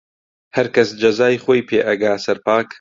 هەرکەس جەزای خۆی پێ ئەگا سەرپاک